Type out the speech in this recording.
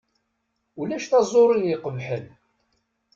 Ulac taẓuri iqebḥen.